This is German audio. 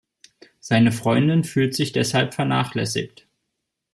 Seine Freundin fühlt sich deshalb vernachlässigt.